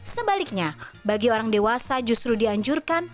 sebaliknya bagi orang dewasa justru dianjurkan